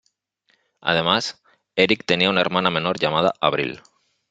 Además, Eric tenía una hermana menor llamada Avril.